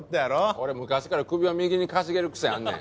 俺昔から首を右にかしげる癖あんねん。